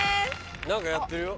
何かやってるよ。